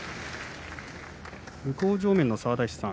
向正面の沢田石さん